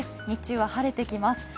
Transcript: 日中は晴れてきます。